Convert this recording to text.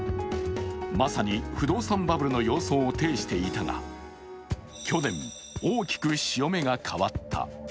まさに不動産バブルの様相を呈していたが去年、大きく潮目が変わった。